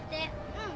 うん。